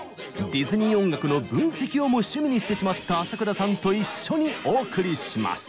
ディズニー音楽の分析をも趣味にしてしまった浅倉さんと一緒にお送りします。